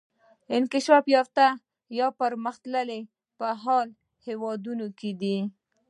انکشاف یافته یا د پرمختګ په حال هیوادونه دي.